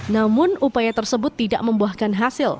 namun upaya tersebut tidak membuahkan hasil